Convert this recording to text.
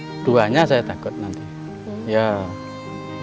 berapapun upah yang bisa dibawa pulang untuk istri dan anak yang menunggu dirubah